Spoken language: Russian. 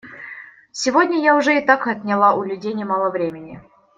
Сегодня я уже и так отняла у людей немало времени.